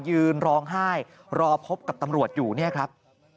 ยืนร้องไห้รอพบกับตำรวจอยู่เนี่ยครับ